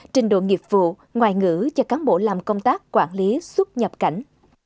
trình độ nghiệp vụ ngoại ngữ cho cán bộ làm công tác quản lý xuất nhập cảnh